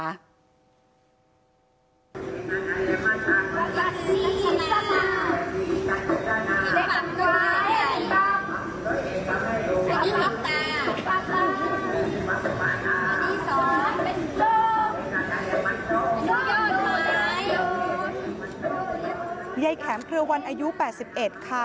อันนี้สองเป็นสองยายแขมเคลือวันอายุแปดสิบเอ็ดค่ะ